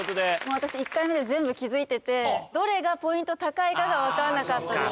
私１回目で全部気付いててどれがポイント高いかが分かんなかったです。